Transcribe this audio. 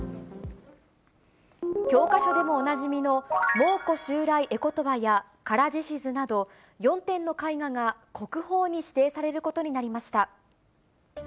教科書でもおなじみの蒙古襲来絵詞や、唐獅子図など、４点の絵画が国宝に指定されることになりました。